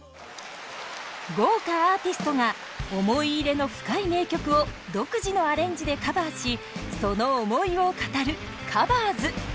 豪華アーティストが思い入れの深い名曲を独自のアレンジでカバーしその思いを語る「ｔｈｅＣｏｖｅｒｓ」。